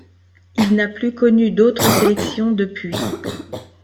Il n'a plus connu d'autres sélections depuis.